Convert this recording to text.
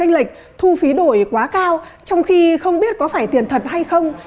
anh chân lệch thu phí đổi quá cao trong khi không biết có phải tiền thật hay không